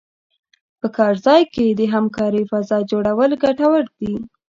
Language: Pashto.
په کار ځای کې د همکارۍ فضا جوړول ګټور دي.